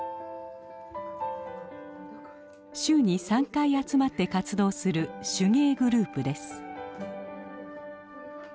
週に３回集まって活動する手芸グループです。